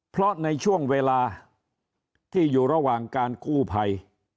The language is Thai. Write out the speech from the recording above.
เพราะในช่วงเวลาที่อยู่ระหว่างการกู้ภัย